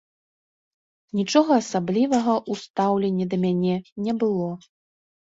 Нічога асаблівага ў стаўленні да мяне не было.